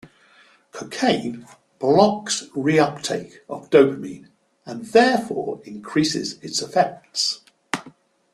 Cocaine blocks reuptake of dopamine and therefore increases its effects.